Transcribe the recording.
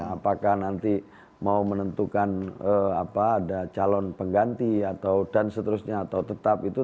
apakah nanti mau menentukan ada calon pengganti atau dan seterusnya atau tetap itu